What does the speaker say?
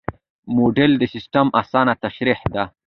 موډل د سیسټم اسانه تشریح ده.